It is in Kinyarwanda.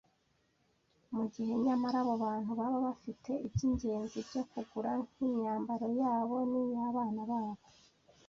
mu gihe nyamara abo bantu baba bafite iby’ingenzi byo kugura nk’imyambaro yabo n’iy’abana babo